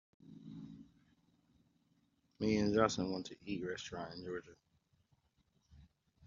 me and jocelyn want to eat a restaurant in Georgia